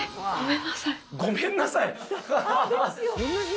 「ごめんなさい」